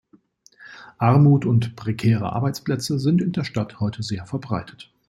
Armut und prekäre Arbeitsplätze sind in der Stadt heute sehr verbreitet.